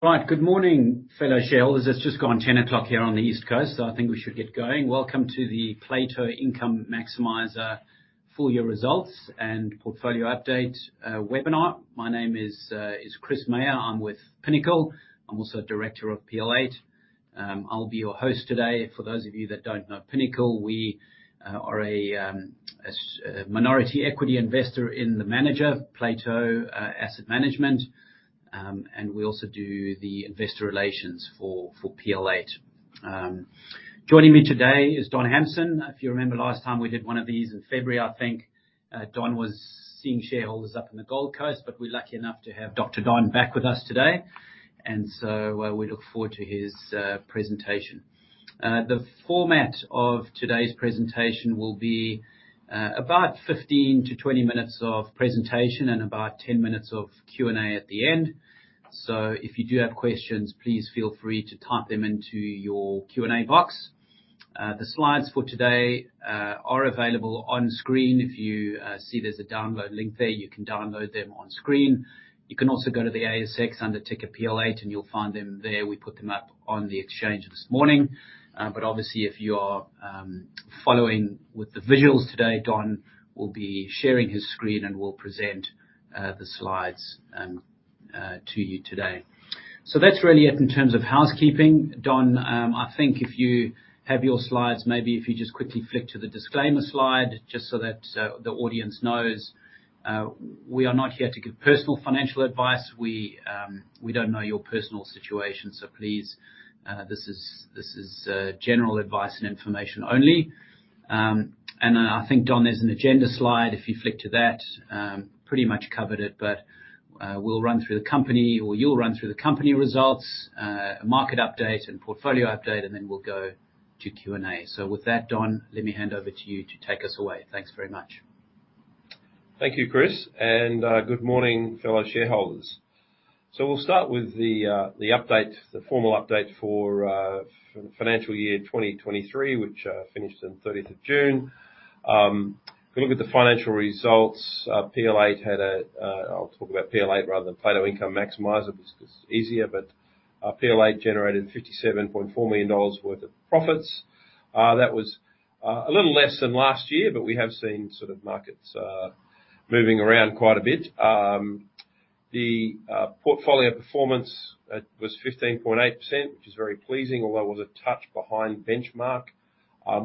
Right. Good morning, fellow shareholders. It's just gone 10 o'clock here on the East Coast, so I think we should get going. Welcome to the Plato Income Maximiser Full-Year Results and Portfolio Update Webinar. My name is Chris Meyer. I'm with Pinnacle. I'm also a director of PL8. I'll be your host today. For those of you that don't know Pinnacle, we are a minority equity investor in the manager, Plato Investment Management. We also do the investor relations for PL8. Joining me today is Don Hamson. If you remember last time we did one of these in February, I think, Don was meeting shareholders up in the Gold Coast, but we're lucky enough to have Dr. Don back with us today, and so we look forward to his presentation. The format of today's presentation will be about 15 to 20 minutes of presentation and about 10 minutes of Q&A at the end. So if you do have questions, please feel free to type them into your Q&A box. The slides for today are available on screen. If you see there's a download link there, you can download them on screen. You can also go to the ASX under ticker PL8, and you'll find them there. We put them up on the exchange this morning. But obviously, if you are following with the visuals today, Don will be sharing his screen and will present the slides to you today. So that's really it in terms of housekeeping. Don, I think if you have your slides, maybe if you just quickly flick to the disclaimer slide, just so that the audience knows. We are not here to give personal financial advice. We don't know your personal situation, so please, this is general advice and information only. And I think, Don, there's an agenda slide, if you flick to that. Pretty much covered it, but, we'll run through the company, or you'll run through the company results, a market update and portfolio update, and then we'll go to Q&A. So with that, Don, let me hand over to you to take us away. Thanks very much. Thank you, Chris, and good morning, fellow shareholders. We'll start with the update, the formal update for financial year 2023, which finished on 30th of June. If we look at the financial results, I'll talk about PL8 rather than Plato Income Maximiser, because it's easier, but PL8 generated 57.4 million dollars worth of profits. That was a little less than last year, but we have seen sort of markets moving around quite a bit. The portfolio performance, it was 15.8%, which is very pleasing, although it was a touch behind benchmark.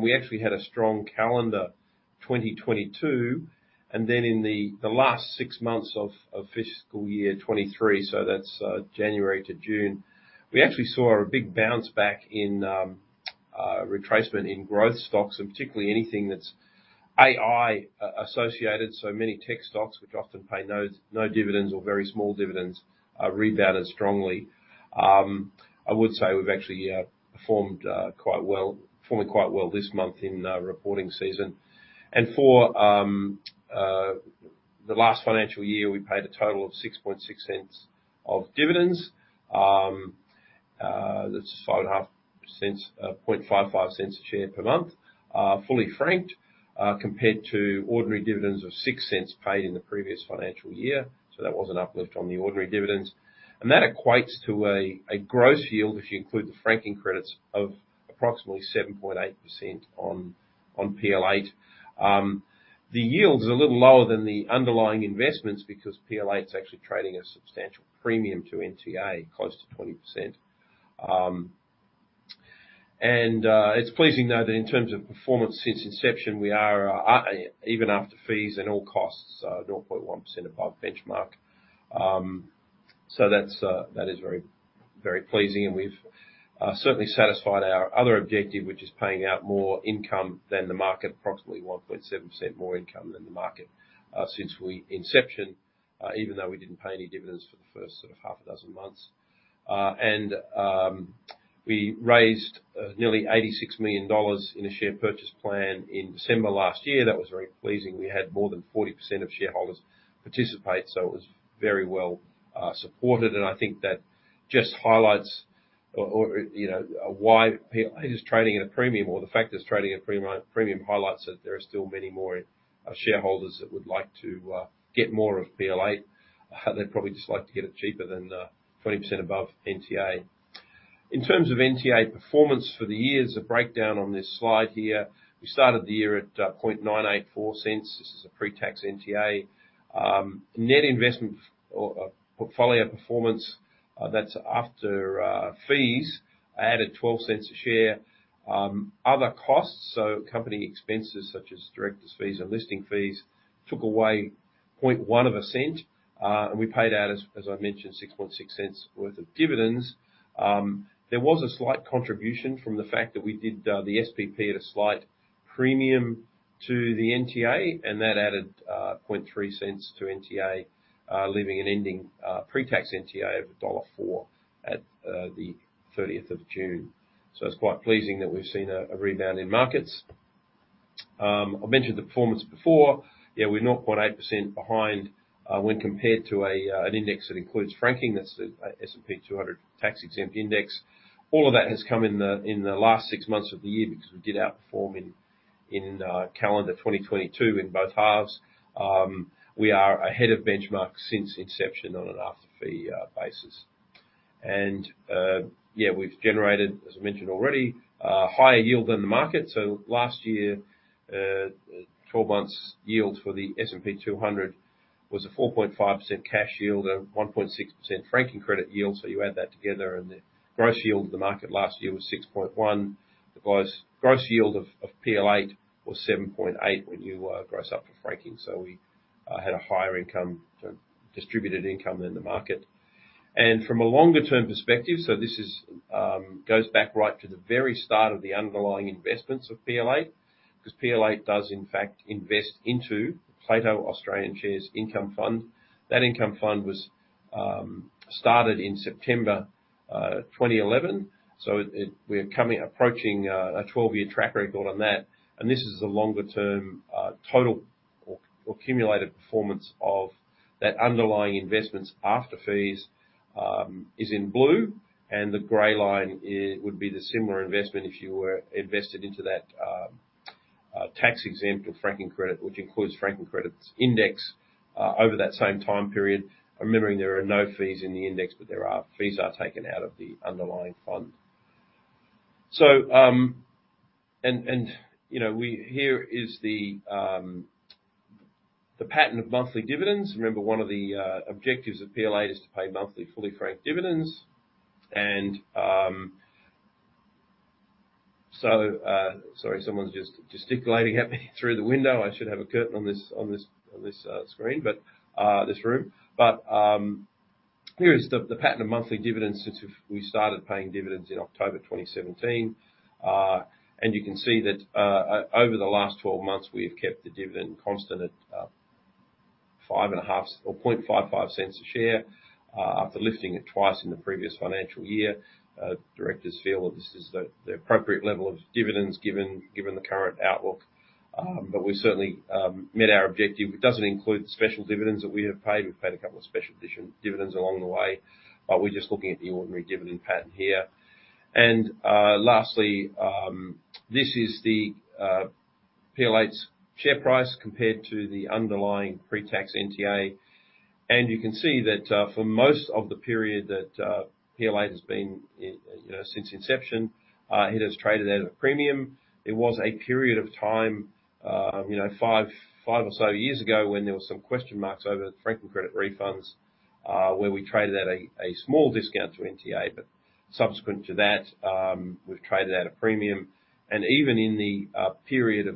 We actually had a strong calendar 2022, and then in the last six months of fiscal year 2023, so that's January to June, we actually saw a big bounce back in retracement in growth stocks, and particularly anything that's AI-associated. So many tech stocks, which often pay no dividends or very small dividends, rebounded strongly. I would say we've actually performed quite well, performing quite well this month in reporting season. For the last financial year, we paid a total of 0.066 of dividends. That's 5.5 cents, 0.55 cents a share per month, fully franked, compared to ordinary dividends of 0.06 paid in the previous financial year. So that was an uplift on the ordinary dividends. That equates to a gross yield, if you include the franking credits, of approximately 7.8% on PL8. The yield is a little lower than the underlying investments because PL8's actually trading a substantial premium to NTA, close to 20%. It's pleasing though, that in terms of performance since inception, we are even after fees and all costs, 0.1% above benchmark. So that's that is very, very pleasing, and we've certainly satisfied our other objective, which is paying out more income than the market, approximately 1.7% more income than the market, since inception, even though we didn't pay any dividends for the first sort of half a dozen months. We raised nearly 86 million dollars in a share purchase plan in December last year. That was very pleasing. We had more than 40% of shareholders participate, so it was very well supported, and I think that just highlights or you know why PL8 is trading at a premium, or the fact it's trading at a premium, highlights that there are still many more shareholders that would like to get more of PL8. They'd probably just like to get it cheaper than 20% above NTA. In terms of NTA performance for the year, there's a breakdown on this slide here. We started the year at 0.00984. This is a pre-tax NTA. Net investment or portfolio performance, that's after fees, added 0.12 a share. Other costs, so company expenses such as directors' fees and listing fees, took away 0.1, and we paid out, as I mentioned, 6.6 worth of dividends. There was a slight contribution from the fact that we did the SPP at a slight premium to the NTA, and that added 0.3 to NTA, leaving an ending pre-tax NTA of dollar 1.04 at the 30th of June. So it's quite pleasing that we've seen a rebound in markets. I mentioned the performance before. Yeah, we're 0.8% behind when compared to an index that includes franking, that's the S&P/ASX 200 Tax-Exempt Index. All of that has come in the last six months of the year because we did outperform in calendar 2022 in both halves. We are ahead of benchmark since inception on an after-fee basis and we've generated, as I mentioned already, a higher yield than the market. So last year, 12 months' yield for the S&P 200 was a 4.5% cash yield and 1.6% franking credit yield. So you add that together, and the gross yield of the market last year was 6.1%. The gross yield of PL8 was 7.8% when you gross up for franking. So we had a higher income, distributed income than the market. And from a longer-term perspective, so this goes back right to the very start of the underlying investments of PL8, because PL8 does, in fact, invest into Plato Australian Shares Income Fund. That income fund was started in September 2011, so we're coming, approaching a 12-year track record on that, and this is the longer term total or cumulative performance of that underlying investments after fees is in blue, and the gray line would be the similar investment if you were invested into that tax-exempt or franking credit, which includes franking credits index over that same time period. Remembering, there are no fees in the index, but fees are taken out of the underlying fund. So, and, you know, here is the pattern of monthly dividends. Remember, one of the objectives of PL8 is to pay monthly fully franked dividends. And, sorry, someone's just gesticulating at me through the window. I should have a curtain on this screen, but this room. But here is the pattern of monthly dividends since we started paying dividends in October 2017. You can see that over the last 12 months, we've kept the dividend constant at 0.055 or 0.0055 a share after lifting it twice in the previous financial year. Directors feel that this is the appropriate level of dividends given the current outlook. But we certainly met our objective. It doesn't include the special dividends that we have paid. We've paid a couple of special dividends along the way, but we're just looking at the ordinary dividend pattern here. Last, this is PL8's share price compared to the underlying pre-tax NTA. You can see that for most of the period that PL8 has been in, you know, since inception, it has traded at a premium. There was a period of time, you know, five or so years ago, when there was some question marks over the franking credits refunds, where we traded at a small discount to NTA. But subsequent to that, we've traded at a premium. And even in the period of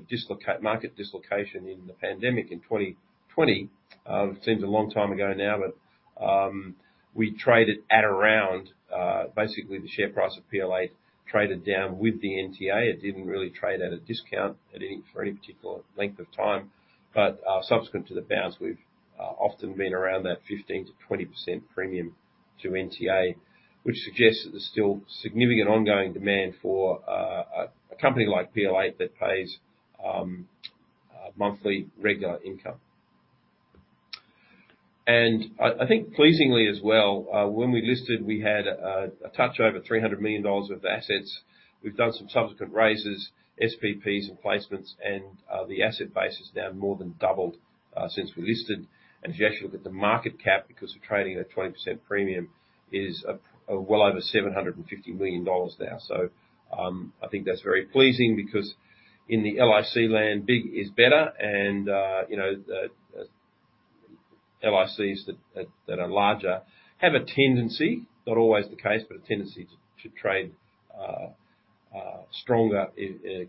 market dislocation in the pandemic in 2020, it seems a long time ago now, but we traded at around, basically the share price of PL8 traded down with the NTA. It didn't really trade at a discount for any particular length of time. But, subsequent to the bounce, we've often been around that 15% to 20% premium to NTA, which suggests that there's still significant ongoing demand for, a, a company like PL8 that pays, monthly regular income. I think pleasingly as well, when we listed, we had, a touch over 300 million dollars of assets. We've done some subsequent raises, SPPs, and placements, and, the asset base is now more than doubled, since we listed. And if you actually look at the market cap, because we're trading at a 20% premium, is a, well over 750 million dollars now. So, I think that's very pleasing because in the LIC land, big is better and, you know, the LICs that are larger have a tendency, not always the case, but a tendency to trade stronger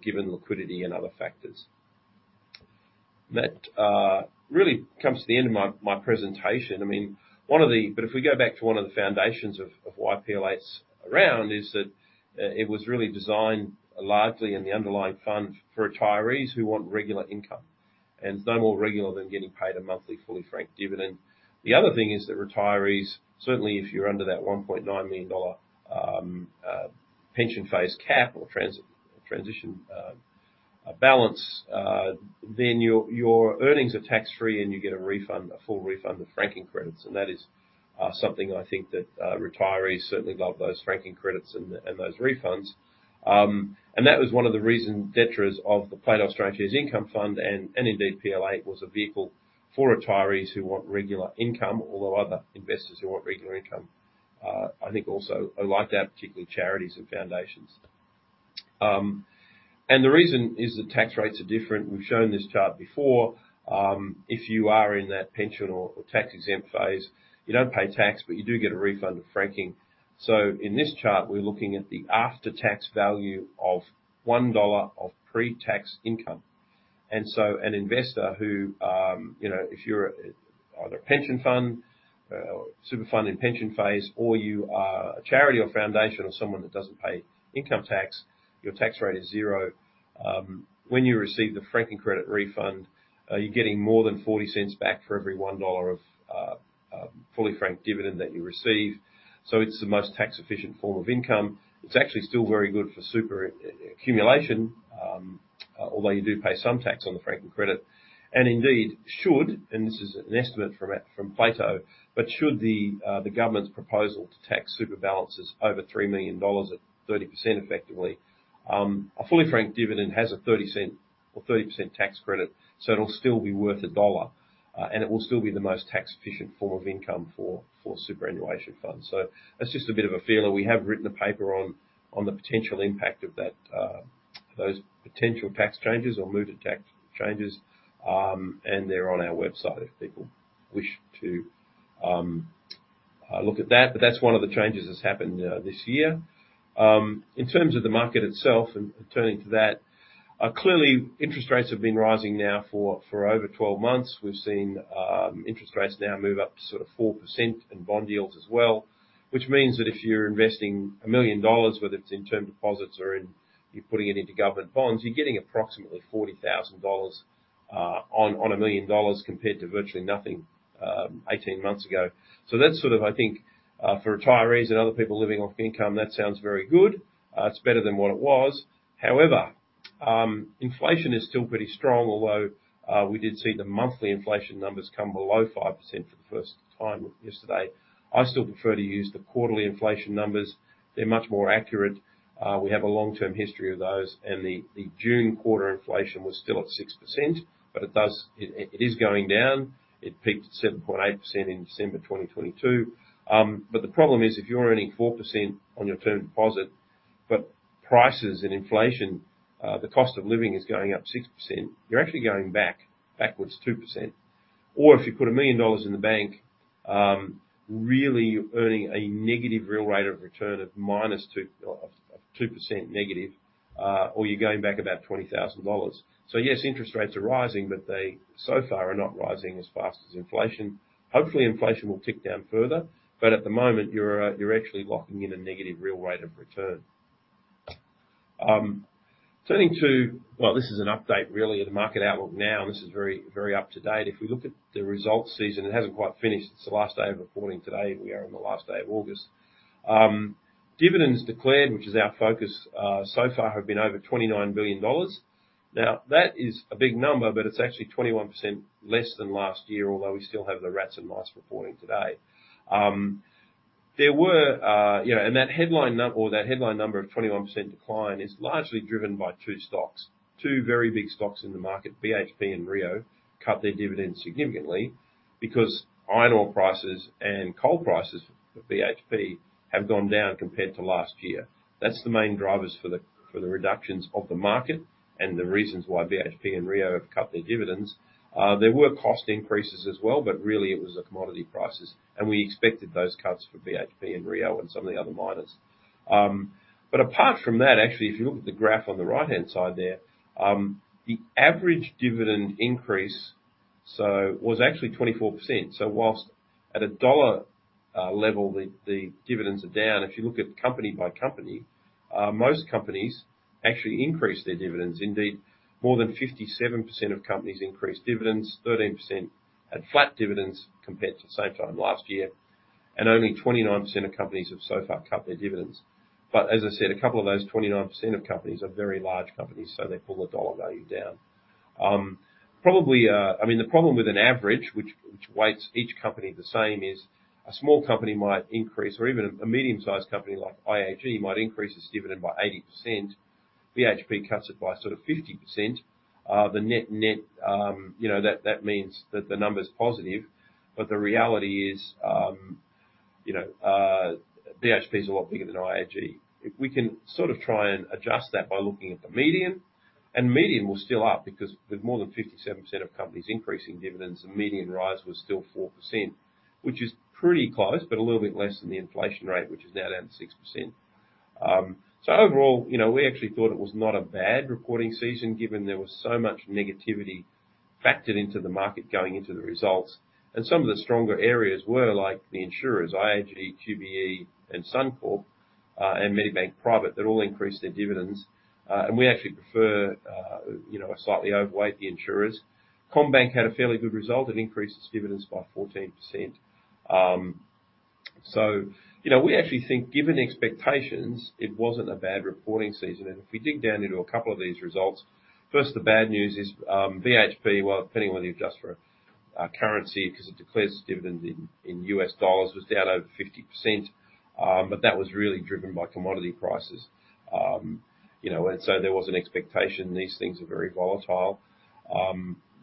given liquidity and other factors. That really comes to the end of my presentation. If we go back to one of the foundations of why PL8's around, is that it was really designed largely in the underlying fund for retirees who want regular income, and it's no more regular than getting paid a monthly fully franked dividend. The other thing is that retirees, certainly if you're under that 1.9 million dollar pension phase cap or transition balance, then your earnings are tax-free, and you get a refund, a full refund of franking credits. And that is something I think that retirees certainly love those franking credits and those refunds. And that was one of the reasons drivers of the Plato Australian Shares Income Fund and indeed, PL8, was a vehicle for retirees who want regular income, although other investors who want regular income, I think also like that, particularly charities and foundations. And the reason is the tax rates are different. We've shown this chart before. If you are in that pension or tax-exempt phase, you don't pay tax, but you do get a refund of franking. So in this chart, we're looking at the after-tax value of 1 dollar of pre-tax income. So an investor who, you know, if you're either a pension fund or super fund in pension phase, or you are a charity or foundation or someone that doesn't pay income tax, your tax rate is zero. When you receive the franking credit refund, you're getting more than 0.40 back for every 1 dollar of fully franked dividend that you receive. So it's the most tax-efficient form of income. It's actually still very good for super accumulation, although you do pay some tax on the franking credit, and indeed should, and this is an estimate from Plato, but should the government's proposal to tax super balances over 3 million dollars at 30% effectively. A fully franked dividend has a 0.30 or 30% tax credit, so it'll still be worth AUD 1, and it will still be the most tax efficient form of income for superannuation funds. So that's just a bit of a feel, and we have written a paper on the potential impact of that, those potential tax changes or mooted tax changes, and they're on our website, if people wish to look at that. But that's one of the changes that's happened this year. In terms of the market itself and turning to that, clearly interest rates have been rising now for over 12 months. We've seen interest rates now move up to sort of 4% and bond yields as well, which means that if you're investing 1 million dollars, whether it's in term deposits or you're putting it into government bonds, you're getting approximately 40,000 dollars on 1 million dollars, compared to virtually nothing 18 months ago. So that's sort of I think for retirees and other people living off income, that sounds very good. It's better than what it was. However, inflation is still pretty strong, although we did see the monthly inflation numbers come below 5% for the first time yesterday. I still prefer to use the quarterly inflation numbers. They're much more accurate. We have a long-term history of those, and the June quarter inflation was still at 6%, but it does. It is going down. It peaked at 7.8% in December 2022. But the problem is, if you're earning 4% on your term deposit, but prices and inflation, the cost of living is going up 6%, you're actually going backwards 2%. Or if you put 1 million dollars in the bank, really you're earning a negative real rate of return of minus two, of 2% negative, or you're going back about 20 thousand dollars. So yes, interest rates are rising, but they so far are not rising as fast as inflation. Hopefully, inflation will tick down further, but at the moment, you're actually locking in a negative real rate of return. Turning to, this is an update, really, the market outlook now, and this is very up-to-date. If we look at the results season, it hasn't quite finished. It's the last day of reporting today. We are on the last day of August. Dividends declared, which is our focus, so far, have been over 29 billion dollars. Now, that is a big number, but it's actually 21% less than last year, although we still have the rats and mice reporting today. You know, and that headline number of 21% decline is largely driven by two stocks. Two very big stocks in the market, BHP and Rio, cut their dividends significantly because iron ore prices and coal prices for BHP have gone down compared to last year. That's the main drivers for the, for the reductions of the market and the reasons why BHP and Rio have cut their dividends. There were cost increases as well, but really it was the commodity prices, and we expected those cuts for BHP and Rio and some of the other miners. But apart from that, actually, if you look at the graph on the right-hand side there, the average dividend increase, so was actually 24%. So whilst at a dollar, level, the, the dividends are down, if you look at company by company, most companies actually increased their dividends. Indeed, more than 57% of companies increased dividends, 13% had flat dividends compared to the same time last year, and only 29% of companies have so far cut their dividends. But as I said, a couple of those 29% of companies are very large companies, so they pull the dollar value down. Probably, I mean, the problem with an average, which weights each company the same, is a small company might increase, or even a medium-sized company like IAG, might increase its dividend by 80%. BHP cuts it by sort of 50%. The net, you know, that means that the number's positive. But the reality is, you know, BHP is a lot bigger than IAG. If we can sort of try and adjust that by looking at the median, and median was still up because with more than 57% of companies increasing dividends, the median rise was still 4%, which is pretty close, but a little bit less than the inflation rate, which is now down to 6%. So overall, you know, we actually thought it was not a bad reporting season, given there was so much negativity factored into the market going into the results. And some of the stronger areas were like the insurers, IAG, QBE, and Suncorp, and Medibank Private. They all increased their dividends, and we actually prefer, you know, a slightly overweight the insurers. CommBank had a fairly good result and increased its dividends by 14%. So you know, we actually think, given the expectations, it wasn't a bad reporting season, and if we dig down into a couple of these results, first, the bad news is, BHP, well, depending on whether you adjust for currency, 'cause it declares its dividends in U.S. dollars, was down over 50%, but that was really driven by commodity prices. You know, and so there was an expectation these things are very volatile.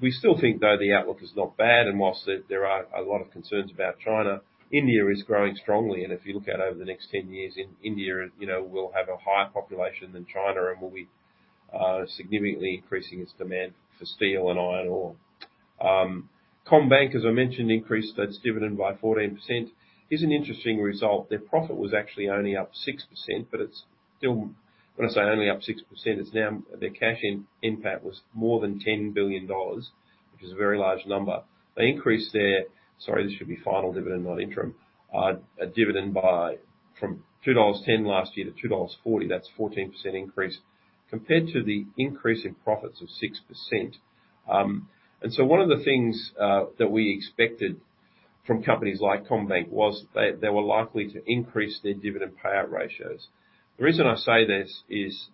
We still think, though, the outlook is not bad, and whilst there are a lot of concerns about China, India is growing strongly, and if you look out over the next 10 years, India, you know, will have a higher population than China and will be significantly increasing its demand for steel and iron ore. CommBank, as I mentioned, increased its dividend by 14%. Is an interesting result. Their profit was actually only up 6%, when I say only up 6%, it's now, their cash impact was more than 10 billion dollars, which is a very large number. They increased their, sorry, this should be final dividend, not interim. Their final dividend from 2.10 dollars last year to 2.40 dollars, that's 14% increase compared to the increase in profits of 6%. And so one of the things that we expected from companies like CommBank was they were likely to increase their dividend payout ratios. The reason I say this is,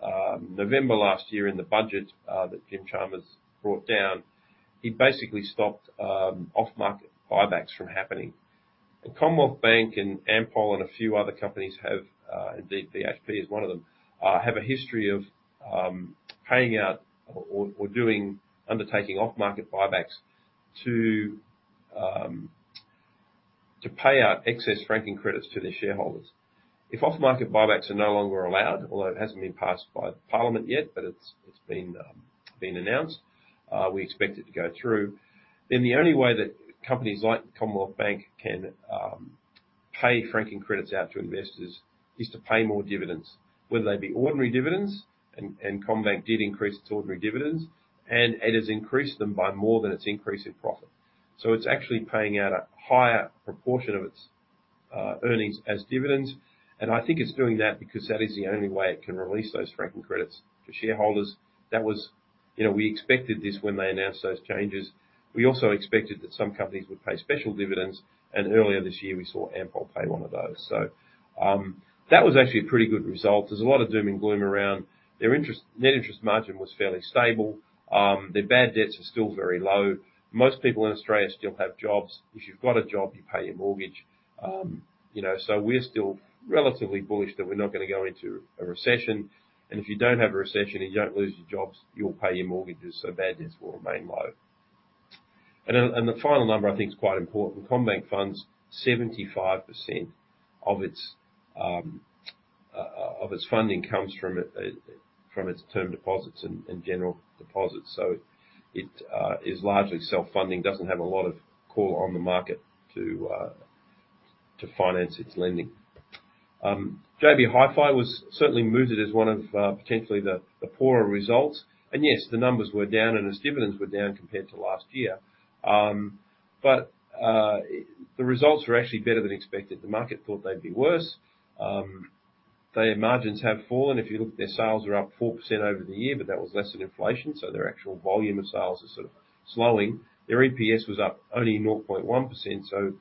November last year in the budget that Jim Chalmers brought down, he basically stopped off-market buybacks from happening. The Commonwealth Bank and Ampol and a few other companies have, indeed, BHP is one of them, have a history of, paying out or, or doing undertaking off-market buybacks to, to pay out excess franking credits to their shareholders. If off-market buybacks are no longer allowed, although it hasn't been passed by Parliament yet, but it's, it's been, been announced, we expect it to go through, then the only way that companies like Commonwealth Bank can, pay franking credits out to investors is to pay more dividends, whether they be ordinary dividends, and CommBank did increase its ordinary dividends, and it has increased them by more than its increase in profit. So it's actually paying out a higher proportion of its earnings as dividends, and I think it's doing that because that is the only way it can release those franking credits to shareholders. That was, we expected this when they announced those changes. We also expected that some companies would pay special dividends, and earlier this year, we saw Ampol pay one of those. So, that was actually a pretty good result. There's a lot of doom and gloom around. Their net interest margin was fairly stable. Their bad debts are still very low. Most people in Australia still have jobs. If you've got a job, you pay your mortgage. You know, so we're still relatively bullish that we're not gonna go into a recession, and if you don't have a recession and you don't lose your jobs, you'll pay your mortgages, so bad debts will remain low. The final number I think is quite important. CommBank funds 75% of its funding from its term deposits and general deposits, so it is largely self-funding, doesn't have a lot of call on the market to finance its lending. JB Hi-Fi was certainly moved it as one of potentially the poorer results. Yes, the numbers were down and its dividends were down compared to last year. But the results were actually better than expected. The market thought they'd be worse. Their margins have fallen. If you look, their sales are up 4% over the year, but that was less than inflation, so their actual volume of sales is sort of slowing. Their EPS was up only 0.1%, so,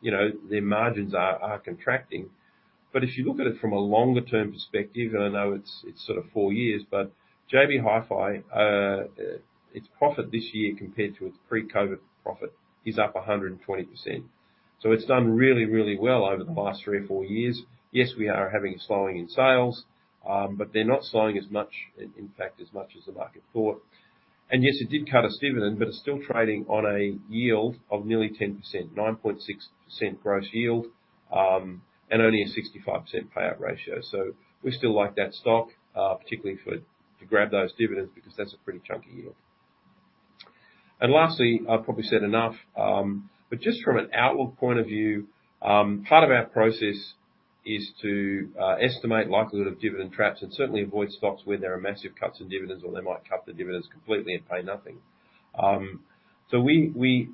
you know, their margins are contracting. But if you look at it from a longer term perspective, and I know it's sort of four years, but JB Hi-Fi, its profit this year compared to its pre-COVID profit is up 120%. So it's done really, really well over the last three or four years. Yes, we are having a slowing in sales, but they're not slowing as much, in fact, as much as the market thought. And yes, it did cut its dividend, but it's still trading on a yield of nearly 10%, 9.6% gross yield, and only a 65% payout ratio. So we still like that stock, particularly for, to grab those dividends, because that's a pretty chunky yield. And lastly, I've probably said enough, but just from an outlook point of view, part of our process is to estimate likelihood of dividend traps and certainly avoid stocks where there are massive cuts in dividends, or they might cut the dividends completely and pay nothing. So we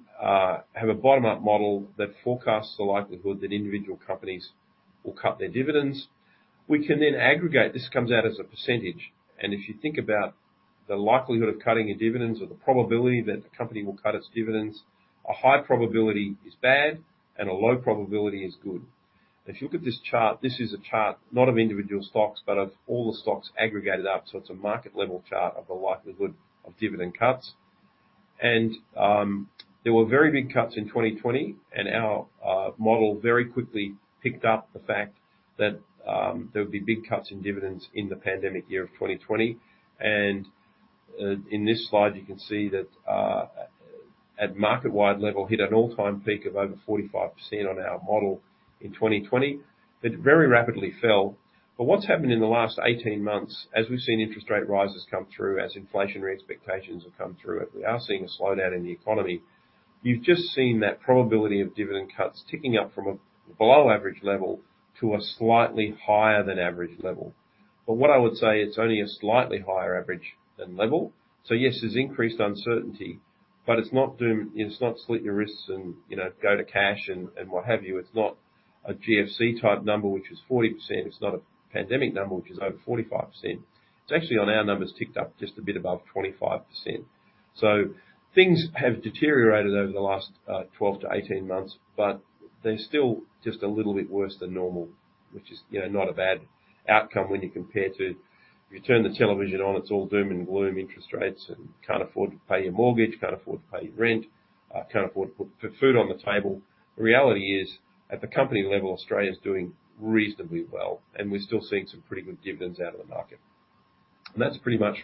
have a bottom-up model that forecasts the likelihood that individual companies will cut their dividends. We can then aggregate. This comes out as a percentage, and if you think about the likelihood of cutting your dividends or the probability that a company will cut its dividends, a high probability is bad and a low probability is good. If you look at this chart, this is a chart not of individual stocks, but of all the stocks aggregated up. So it's a market-level chart of the likelihood of dividend cuts. There were very big cuts in 2020, and our model very quickly picked up the fact that there would be big cuts in dividends in the pandemic year of 2020. In this slide, you can see that at market-wide level, hit an all-time peak of over 45% on our model in 2020. It very rapidly fell. But what's happened in the last 18 months, as we've seen interest rate rises come through, as inflationary expectations have come through, and we are seeing a slowdown in the economy, you've just seen that probability of dividend cuts ticking up from a below average level to a slightly higher than average level. But what I would say, it's only a slightly higher average than level. So yes, there's increased uncertainty, but it's not doom, it's not slit your wrists and, you know, go to cash and, and what have you. It's not a GFC-type number, which is 40%. It's not a pandemic number, which is over 45%. It's actually, on our numbers, ticked up just a bit above 25%. So things have deteriorated over the last 12 to 18 months, but they're still just a little bit worse than normal, which is, you know, not a bad outcome when you compare to. If you turn the television on, it's all doom and gloom, interest rates, and can't afford to pay your mortgage, can't afford to pay your rent, can't afford to put food on the table. The reality is, at the company level, Australia's doing reasonably well, and we're still seeing some pretty good dividends out of the market. And that's pretty much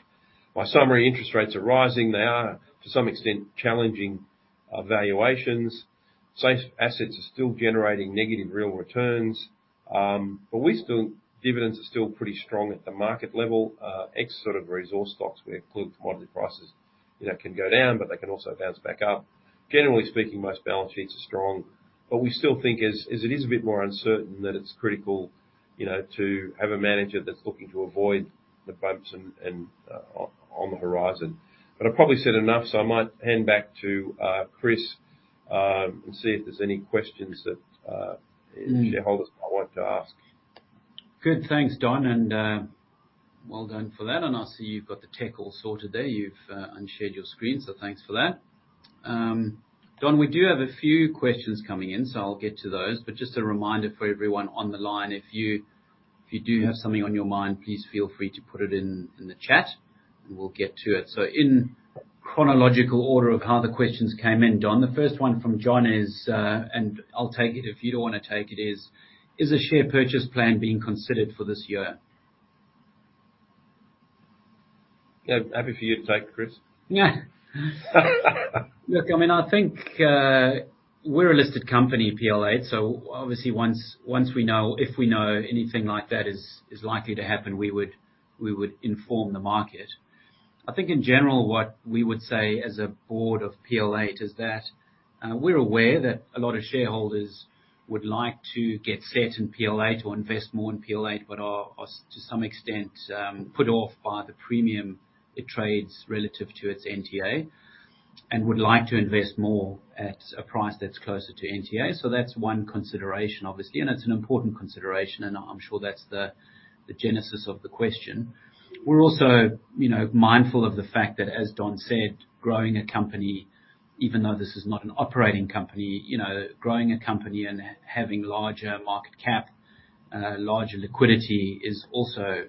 my summary. Interest rates are rising. They are, to some extent, challenging valuations. Safe assets are still generating negative real returns, but we still, dividends are still pretty strong at the market level, ex sort of resource stocks, where commodity prices, you know, can go down, but they can also bounce back up. Generally speaking, most balance sheets are strong, but we still think it is a bit more uncertain, that it's critical, you know, to have a manager that's looking to avoid the bumps and on the horizon. But I've probably said enough, so I might hand back to Chris, and see if there's any questions that shareholders might want to ask. Good. Thanks, Don, and well done for that. And I see you've got the tech all sorted there. You've unshared your screen, so thanks for that. Don, we do have a few questions coming in, so I'll get to those. But just a reminder for everyone on the line, if you do have something on your mind, please feel free to put it in the chat, and we'll get to it. So in chronological order of how the questions came in, Don, the first one from John is, and I'll take it if you don't wanna take it, is: "Is a share purchase plan being considered for this year? Yeah, happy for you to take, Chris. Yeah. Look, I mean, I think we're a listed company, PL8, so obviously once we know, if we know anything like that is likely to happen, we would inform the market. I think in general, what we would say as a board of PL8 is that we're aware that a lot of shareholders would like to get set in PL8, to invest more in PL8, but are to some extent put off by the premium it trades relative to its NTA. And would like to invest more at a price that's closer to NTA. So that's one consideration, obviously, and it's an important consideration, and I'm sure that's the genesis of the question. We're also mindful of the fact that, as Don said, growing a company, even though this is not an operating company, you know, growing a company and having larger market cap, larger liquidity, is also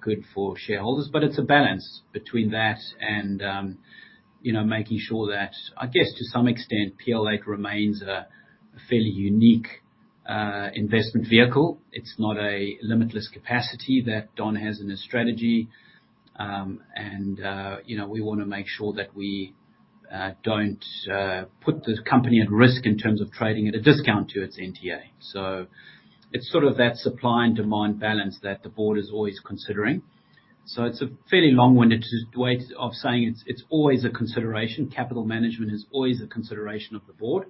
good for shareholders. But it's a balance between that and, you know, making sure that to some extent, PL8 remains a fairly unique investment vehicle. It's not a limitless capacity that Don has in his strategy. And, you know, we wanna make sure that we don't put the company at risk in terms of trading at a discount to its NTA. So it's sort of that supply and demand balance that the board is always considering. So it's a fairly long-winded way of saying it's always a consideration. Capital management is always a consideration of the board.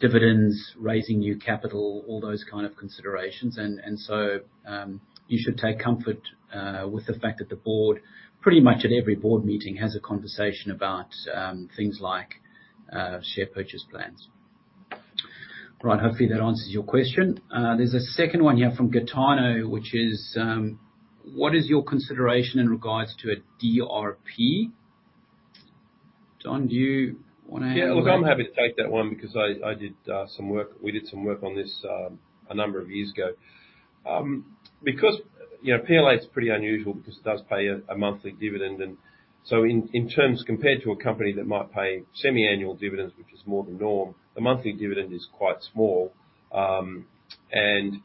Dividends, raising new capital, all those kind of considerations. And so, you should take comfort, with the fact that the board, pretty much at every board meeting, has a conversation about, things like, share purchase plans. Right, hopefully that answers your question. There's a second one here from Gaetano, which is: "What is your consideration in regards to a DRP?" Don, do you wanna handle that? Yeah, look, I'm happy to take that one because we did some work on this a number of years ago. Because, you know, PL8 is pretty unusual because it does pay a monthly dividend, and so in terms compared to a company that might pay semi-annual dividends, which is more the norm, the monthly dividend is quite small. And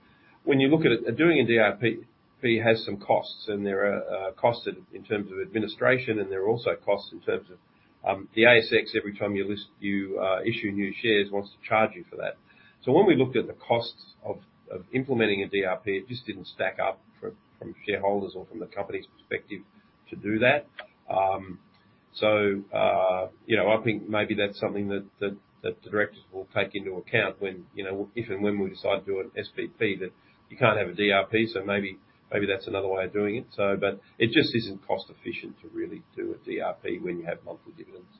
when you look at it, doing a DRP has some costs, and there are costs in terms of administration, and there are also costs in terms of the ASX; every time you issue new shares, it wants to charge you for that. So when we looked at the costs of implementing a DRP, it just didn't stack up from shareholders or from the company's perspective to do that. So, you know, I think maybe that's something that the directors will take into account when, you know, if and when we decide to do an SPP, that you can't have a DRP, so maybe that's another way of doing it. But it just isn't cost efficient to really do a DRP when you have monthly dividends.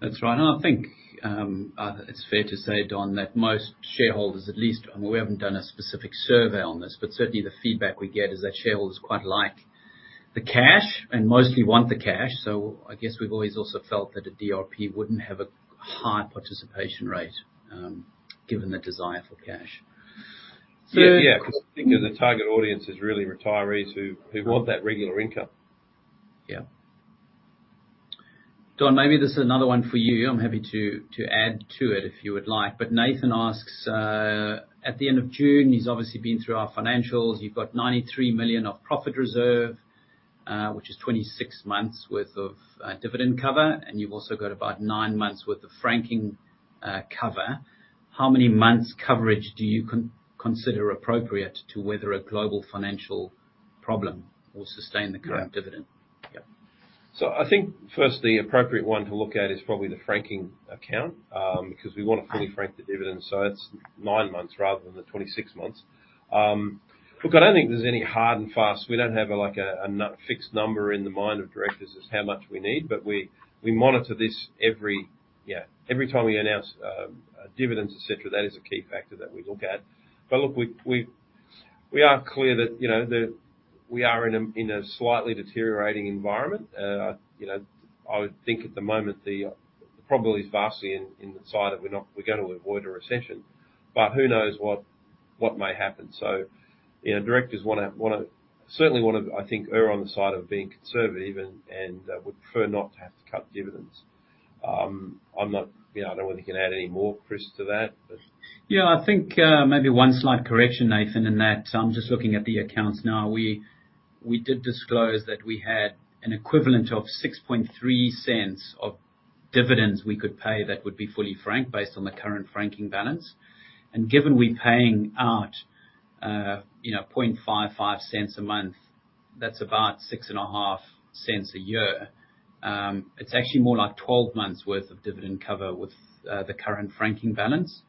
That's right. I think it's fair to say, Don, that most shareholders, at least we haven't done a specific survey on this, but certainly the feedback we get is that shareholders quite like the cash and mostly want the cash. So I guess we've always also felt that a DRP wouldn't have a high participation rate, given the desire for cash. Yeah, because the target audience is really retirees who want that regular income. Yeah. Don, maybe this is another one for you. I'm happy to add to it if you would like. But Nathan asks, at the end of June, he's obviously been through our financials. You've got 93 million of profit reserve, which is 26 months worth of dividend cover, and you've also got about nine months worth of franking cover. How many months' coverage do you consider appropriate to whether a global financial problem will sustain the current dividend? Yeah. So I think, first, the appropriate one to look at is probably the franking account, because we want to fully frank the dividend, so it's nine months rather than the 26 months. Look, I don't think there's any hard and fast. We don't have, like, a fixed number in the mind of directors as how much we need, but we monitor this every, yeah, every time we announce dividends, et cetera, that is a key factor that we look at. But look, we are clear that, you know, that we are in a slightly deteriorating environment. You know, I would think at the moment, the probability is vastly in the side that we're not- we're going to avoid a recession, but who knows what may happen? So, you know, directors wanna, wanna, certainly wanna, I think, err on the side of being conservative and, and would prefer not to have to cut dividends. I'm not-- you know, I don't know whether you can add any more, Chris, to that, but... Yeah, I think, maybe one slight correction, Nathan, in that, I'm just looking at the accounts now. We did disclose that we had an equivalent of 0.063 of dividends we could pay that would be fully franked, based on the current franking balance. And given we're paying out, you know, 0.0055 a month, that's about 0.065 a year, it's actually more like 12 months worth of dividend cover with the current franking balance.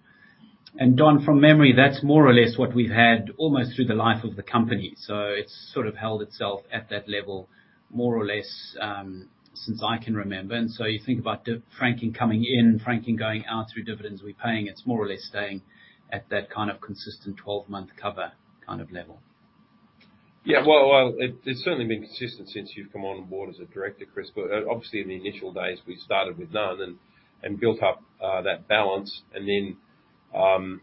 And Don, from memory, that's more or less what we've had almost through the life of the company. So it's sort of held itself at that level, more or less, since I can remember. So you think about franking coming in and franking going out through dividends we're paying, it's more or less staying at that kind of consistent 12-month cover kind of level. Yeah, well, it’s certainly been consistent since you’ve come on board as a director, Chris, but obviously in the initial days, we started with none and built up that balance. And then,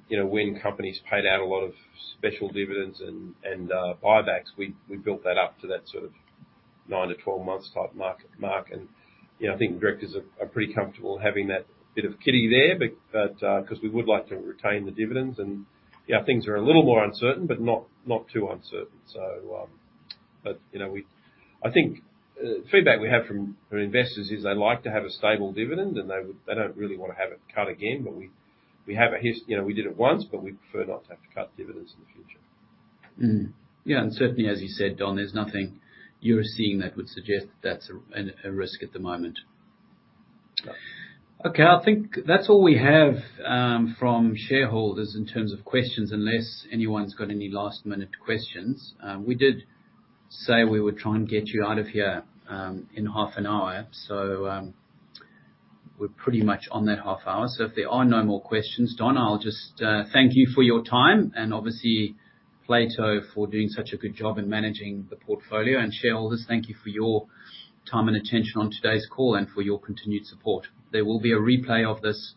you know, when companies paid out a lot of special dividends and buybacks, we built that up to that sort of nine to 12 months type mark. And, you know, I think directors are pretty comfortable having that bit of kitty there, but because we would like to retain the dividends and yeah, things are a little more uncertain, but not too uncertain. You know, I think feedback we have from investors is they like to have a stable dividend, and they don't really want to have it cut again, but we have a history, you know, we did it once, but we'd prefer not to have to cut dividends in the future. Yeah, and certainly, as you said, Don, there's nothing you're seeing that would suggest that's a risk at the moment. No. Okay, I think that's all we have from shareholders in terms of questions, unless anyone's got any last-minute questions. We did say we would try and get you out of here in half an hour. So, we're pretty much on that half hour. So if there are no more questions, Don, I'll just thank you for your time and obviously Plato, for doing such a good job in managing the portfolio. And shareholders, thank you for your time and attention on today's call and for your continued support. There will be a replay of this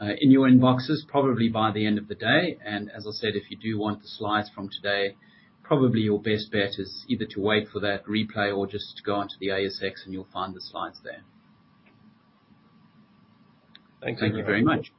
in your inboxes, probably by the end of the day. And as I said, if you do want the slides from today, probably your best bet is either to wait for that replay or just go onto the ASX and you'll find the slides there. Thank you. Thank you very much.